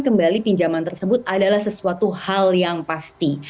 kembali pinjaman tersebut adalah sesuatu hal yang pasti